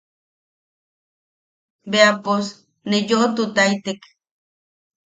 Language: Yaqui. Bea pos ne yoʼotutaitek.